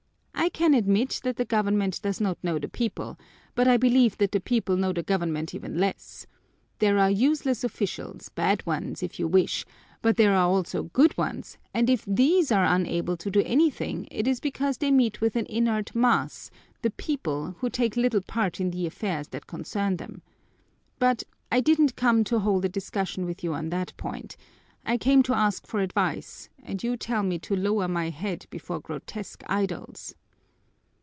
"I can admit that the government does not know the people, but I believe that the people know the government even less. There are useless officials, bad ones, if you wish, but there are also good ones, and if these are unable to do anything it is because they meet with an inert mass, the people, who take little part in the affairs that concern them. But I didn't come to hold a discussion with you on that point, I came to ask for advice and you tell me to lower my head before grotesque idols!"